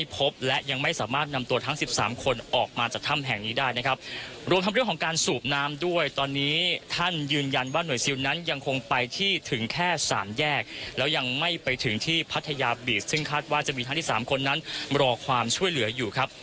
ไปถึงที่พัทยาบีสซึ่งคาดว่าจะมีท่านที่๓คนนั้นรอความช่วยเหลืออยู่ครับ